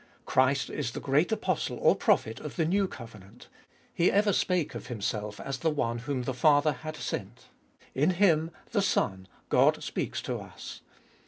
Christ is the great Apostle or Prophet of the New Covenant. He ever spake of Himself as the one whom the Father had sent ; in Him, the Son, God speaks to us.